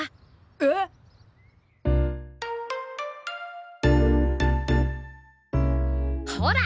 えっ？ほら！